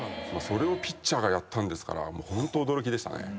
それをピッチャーがやったんですからホント驚きでしたね。